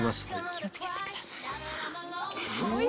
気を付けてください。